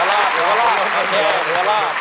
เหลือรอบเหลือรอบโอเคเหลือรอบ